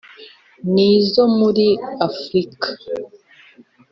nizo muri Afurika